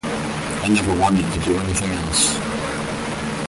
I never wanted to do anything else.